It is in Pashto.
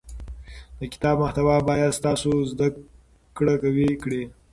د کتاب محتوا باید ستاسو زده کړه قوي کړي.